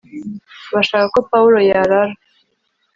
bashaka ko pawulo yarara